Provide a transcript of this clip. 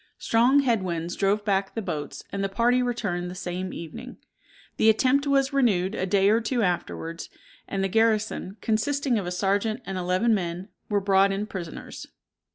Strong head winds drove back the boats, and the party returned the same evening. The attempt was renewed a day or two afterwards, and the garrison, consisting of a serjeant and eleven men, were brought in prisoners.